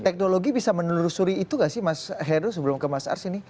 teknologi bisa menelusuri itu gak sih mas heru sebelum ke mas ars ini